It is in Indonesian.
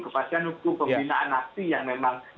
kepastian hukum pembinaan aksi yang memang